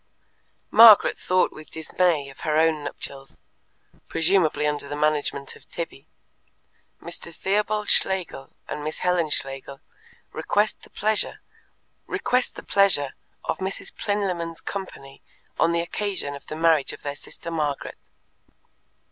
Margaret thought with dismay of her own nuptials presumably under the management of Tibby. "Mr. Theobald Schlegel and Miss Helen Schlegel request the pleasure of Mrs. Plynlimmon's company on the occasion of the marriage of their sister Margaret."